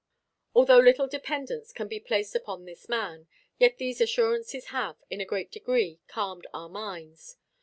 Although little dependence can be placed upon this man, yet these assurances have, in a great degree, calmed our minds.